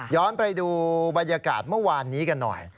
ไปดูบรรยากาศเมื่อวานนี้กันหน่อย